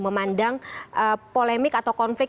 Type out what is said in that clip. memandang polemik atau konflik